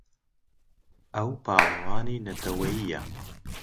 ئەو پاڵەوانی نەتەوەیییە.